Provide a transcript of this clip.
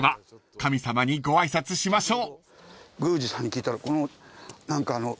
神様にご挨拶しましょう］